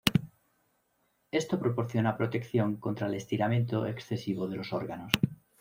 Esto proporciona protección contra el estiramiento excesivo de los órganos.